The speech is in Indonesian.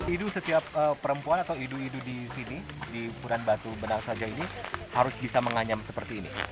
idu setiap perempuan atau idu idu di sini di punan batu benausajaw ini harus bisa menganyam seperti ini